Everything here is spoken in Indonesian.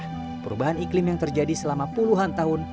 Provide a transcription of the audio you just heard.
ketika nyamuk berdarah perubahan iklim yang terjadi selama puluhan tahun